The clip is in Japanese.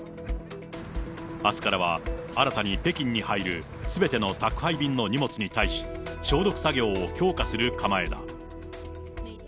あすからは、新たに北京に入るすべての宅配便の荷物に対し、消毒作業を強化する構えだ。